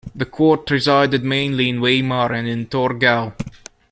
The court resided mainly in Weimar and in Torgau.